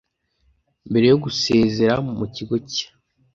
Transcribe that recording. Mbere yo gusezera mu kigo cye,